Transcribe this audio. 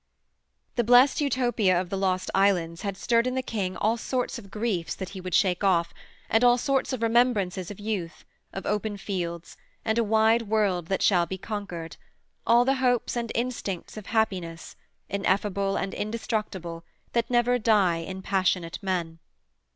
The blessed Utopia of the lost islands had stirred in the King all sorts of griefs that he would shake off, and all sorts of remembrances of youth, of open fields, and a wide world that shall be conquered all the hopes and instincts of happiness, ineffable and indestructible, that never die in passionate men.